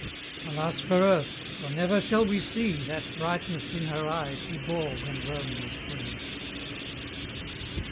Alas for Earth, for never shall we see That brightness in her eye she bore when Rome was free!